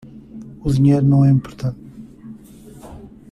O dinheiro não é importante.